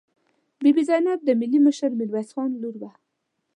بي بي زینب د ملي مشر میرویس خان لور وه.